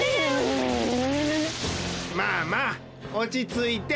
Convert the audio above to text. まあまあおちついて。